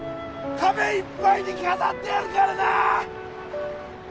壁いっぱいに飾ってやるからな！